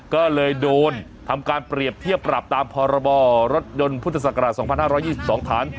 ก็เลยโดนทำการเปรียบเทียบปรับตามพรบรถยนต์พุทธศักราช๒๕๒๒ฐาน